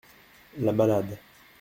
La malade.